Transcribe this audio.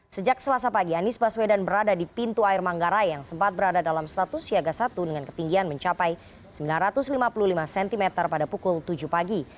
sejak selasa pagi anies baswedan berada di pintu air manggarai yang sempat berada dalam status siaga satu dengan ketinggian mencapai sembilan ratus lima puluh lima cm pada pukul tujuh pagi